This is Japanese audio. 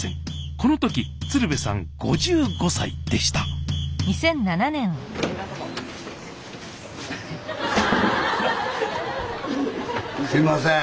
この時鶴瓶さん５５歳でしたすいません。